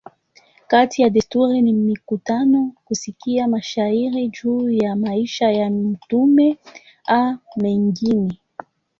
Kati ya desturi ni mikutano, kusikia mashairi juu ya maisha ya mtume a mengine.